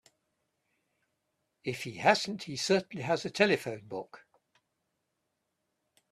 If he hasn't he certainly has a telephone book.